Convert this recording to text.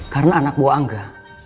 karena anak buah angga